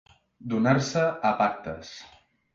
Donar-se a pactes.